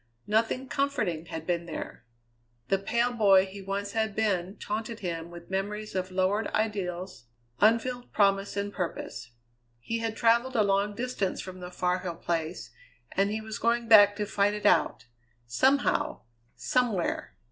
Nothing comforting had been there. The pale boy he once had been taunted him with memories of lowered ideals, unfilled promise and purpose. He had travelled a long distance from the Far Hill Place, and he was going back to fight it out somehow, somewhere.